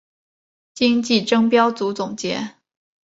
今季争标组总结。